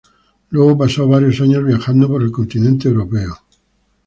Luego pasó varios años viajando por el continente europeo.